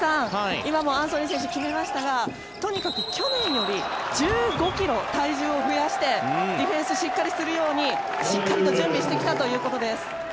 今もアンソニー選手決まりましたがとにかく去年より１５ｋｇ体重を増やしてディフェンスしっかりするようにしっかり準備してきたということです。